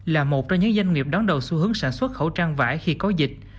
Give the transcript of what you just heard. là một trong những doanh nghiệp đón đầu xu hướng sản xuất khẩu trang vải khi có dịch